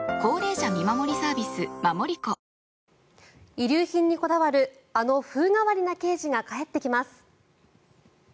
遺留品にこだわるあの風変わりな刑事が帰ってきます。